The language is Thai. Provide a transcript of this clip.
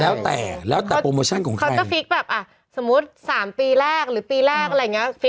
แล้วแต่แล้วแต่โปรโมชั่นของเขาเขาจะฟิกแบบอ่ะสมมุติ๓ปีแรกหรือปีแรกอะไรอย่างนี้